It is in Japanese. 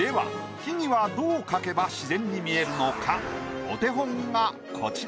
ではお手本がこちら。